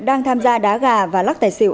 đang tham gia đá gà và lắc tài xỉu